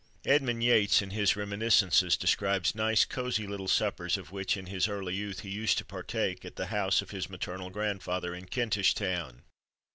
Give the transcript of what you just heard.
Edmund Yates, in his "Reminiscences," describes "nice, cosy, little suppers," of which in his early youth he used to partake, at the house of his maternal grandfather, in Kentish Town.